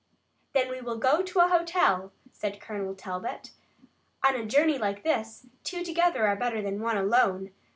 "Then we will go to a hotel," said Colonel Talbot. "On a journey like this two together are better than one alone.